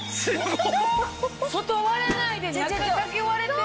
外割れないで中だけ割れてる！